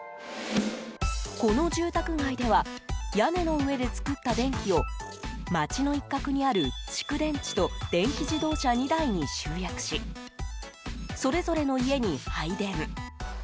この住宅街では屋根の上で作った電気を街の一角にある蓄電池と電気自動車２台に集約しそれぞれの家に配電。